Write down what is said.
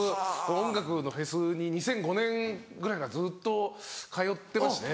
音楽のフェスに２００５年ぐらいからずっと通ってまして。